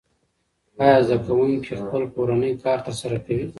آیا زده کوونکي خپل کورنی کار ترسره کوي؟